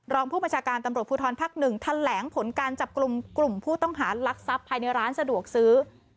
รองผู้บัญชาการตำรวจภูทรภักดิ์๑แถลงผลการจับกลุ่มกลุ่มผู้ต้องหารักทรัพย์ภายในร้านสะดวกซื้อ